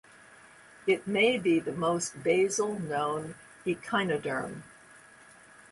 It may be the most basal known echinoderm.